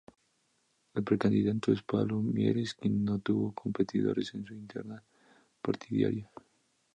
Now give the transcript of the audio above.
El precandidato es Pablo Mieres, quien no tuvo competidores en su interna partidaria.